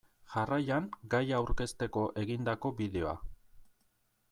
Jarraian gaia aurkezteko egindako bideoa.